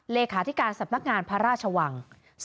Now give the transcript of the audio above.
เลขาธิการสำนักงานพระราชวัง